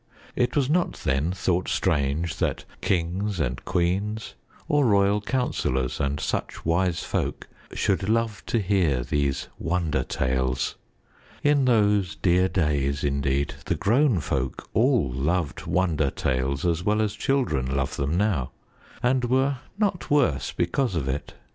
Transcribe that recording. It was not then thought strange that kings and queens or royal counselors and such wise folk should love to hear these wonder tales. In those dear days, indeed, the grown folk all loved wonder tales as well as children love them now and were not worse because of it.